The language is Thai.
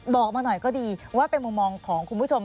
บอกมาหน่อยก็ดีว่าเป็นมุมมองของคุณผู้ชม